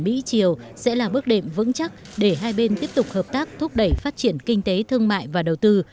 mỹ triều sẽ là bước đệm vững chắc để hai bên tiếp tục hợp tác thúc đẩy phát triển kinh tế thương mại và đầu tư